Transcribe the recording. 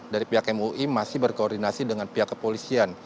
dari pihak mui masih berkoordinasi dengan pihak kepolisian